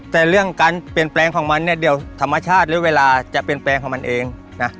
แต่เรื่องการเปลี่ยนแปลงของมันเนี่ยเดี๋ยวธรรมชาติหรือเวลาจะเปลี่ยนแปลงของมันเองนะ